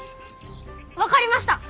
分かりました。